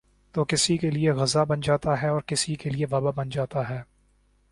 تو کسی کیلئے غذا بن جاتا ہے اور کسی کیلئے وباء بن جاتا ہے ۔